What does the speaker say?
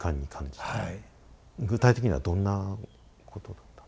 具体的にはどんなことだったんですか？